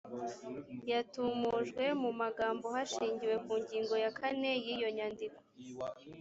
yatumujwe mu magambo hashingiwe ku ngingo ya kane y’iyo nyandiko